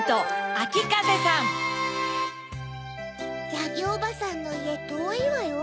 ヤギおばさんのいえとおいわよ？